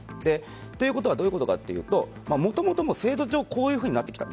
ということはどういうことかというともともと制度上こういうふうになってきた。